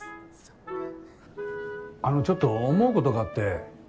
あのちょっと思うことがあって。